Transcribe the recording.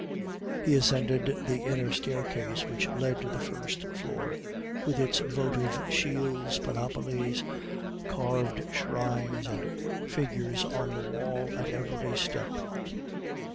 He ascended the inner staircase which led to the first floor, with its votive shields, panoplies, carved shrines, and figures on the wall at every step.